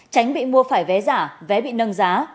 tránh bị mua phải vé giả vé bị nâng giá